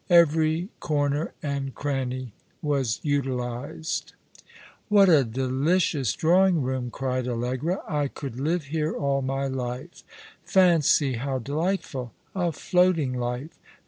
Every corner and cranny was utilized. " What a delicious drawing room !" cried Allegra. " I could live here all my life. Fancy, how delightful! A floating life.